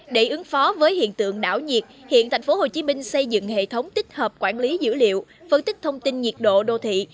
để ứng phó với hiện tượng đảo nhiệt hiện tp hcm xây dựng hệ thống tích hợp quản lý dữ liệu phân tích thông tin nhiệt độ đô thị